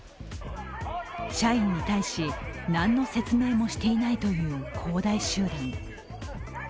社員に対し、何の説明もしていないという恒大集団。